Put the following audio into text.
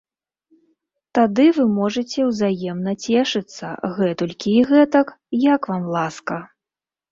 Тады вы можаце ўзаемна цешыцца гэтулькі і гэтак, як вам ласка.